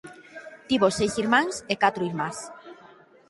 Tivo seis irmáns e catro irmás.